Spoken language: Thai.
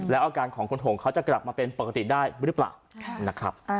แล้วอาการของคุณหงเขาจะกลับมาเป็นปกติได้หรือเปล่านะครับ